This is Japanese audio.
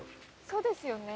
そうですよね。